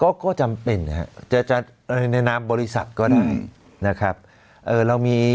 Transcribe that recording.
ก็ก็จำเป็นฮะในน้ำบริษัทก็ได้นะครับเอ่อเรามี